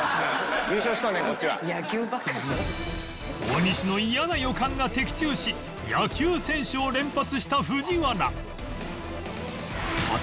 大西の嫌な予感が的中し野球選手を連発した藤原